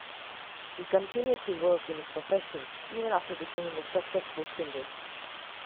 He continued to work in his profession even after becoming a successful singer.